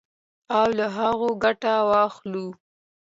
او له هغو ګټه واخلو.